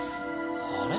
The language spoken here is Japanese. あれ？